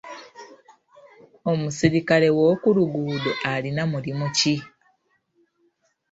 Omusirikale w'okuluguudo alina mulimu ki?